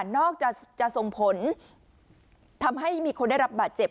นอกจากจะส่งผลทำให้มีคนได้รับบาดเจ็บ